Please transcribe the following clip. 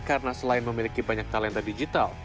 karena selain memiliki banyak talenta digital